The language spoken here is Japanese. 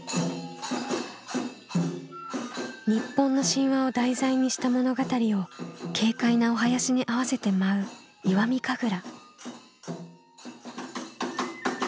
日本の神話を題材にした物語を軽快なお囃子に合わせて舞う石見神楽。